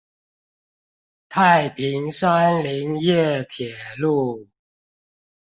太平山林業鐵路